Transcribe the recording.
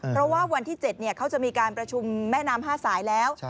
เพราะว่าวันที่๗เขาจะมีการประชุมแม่น้ำ๕สายแล้ว